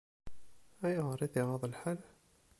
Ayɣer i t-iɣaḍ lḥal?